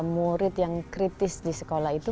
murid yang kritis di sekolah itu